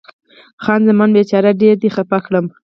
خان زمان: بیچاره، ډېر دې خفه کړم.